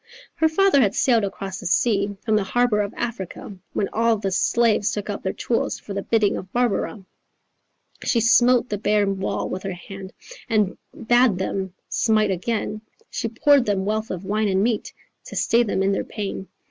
"Her father had sailed across the sea From the harbour of Africa When all the slaves took up their tools For the bidding of Barbara. She smote the bare wall with her hand And bad them smite again; She poured them wealth of wine and meat To stay them in their pain.